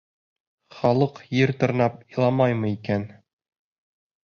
Халыҡ ер тырнап иламаймы икән.